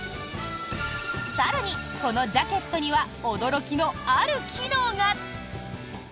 更に、このジャケットには驚きのある機能が！